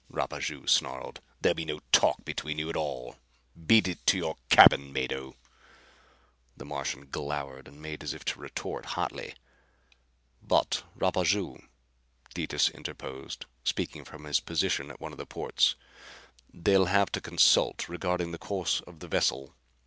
Rapaju snarled. "There'll be no talk between you at all. Beat it to your cabin, Mado." The Martian glowered and made as if to retort hotly. "But Rapaju," Detis interposed, speaking from his position at one of the ports, "they'll have to consult regarding the course of the vessel.